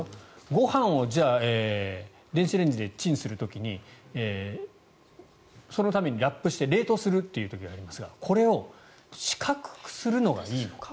ご飯をじゃあ電子レンジでチンする時にそのためにラップして冷凍する時がありますがこれを四角くするのがいいのか。